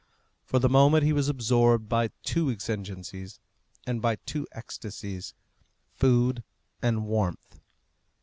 For the moment he was absorbed by two exigencies and by two ecstasies food and warmth.